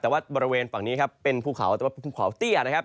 แต่ว่าบริเวณฝั่งนี้ครับเป็นภูเขาแต่ว่าภูเขาเตี้ยนะครับ